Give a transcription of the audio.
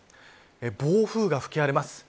暴風が吹き荒れます。